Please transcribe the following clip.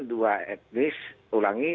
dua etnis ulangi